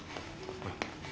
ほら。